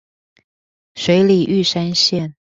水里玉山線